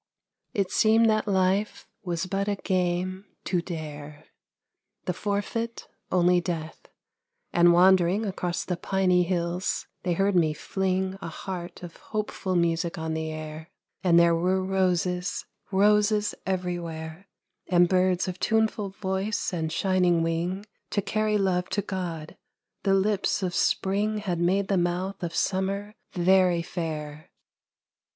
It seemed that life was but a game to dare, The forfeit only death, and wandering Across the piney hills they heard me fling A heart of hopeful music on the air, 6 5 F TO IRENE And there were roses, roses everywhere, And birds of tuneful voice and shining wing To carry love to God, the lips of spring Had made the mouth of summer very fair.